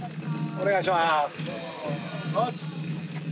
お願いします。